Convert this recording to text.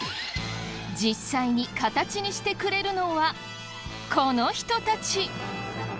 実際に形にしてくれるのはこの人たち！